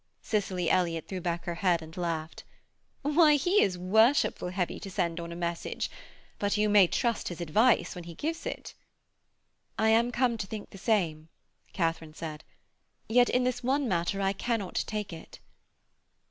Cicely Elliott threw back her head and laughed. 'Why, he is worshipful heavy to send on a message; but you may trust his advice when he gives it.' 'I am come to think the same,' Katharine said; 'yet in this one matter I cannot take it.'